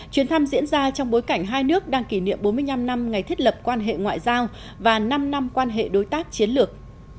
chuyến thăm diễn ra trong bối cảnh hai nước đang kỷ niệm bốn mươi năm năm ngày thiết lập quan hệ ngoại giao và năm năm quan hệ đối tác chiến lược